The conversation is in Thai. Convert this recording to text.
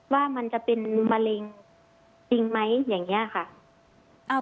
ว่ามันจะเป็นมะเร็งจริงไหมอย่างนี้ค่ะ